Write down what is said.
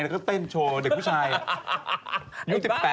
แล้วก็เต้นโชว์เด็กผู้ชายยุค๑๘๑๙อ่ะ